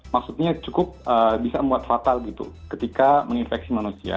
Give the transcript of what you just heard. maksudnya cukup bisa membuat fatal gitu ketika menginfeksi manusia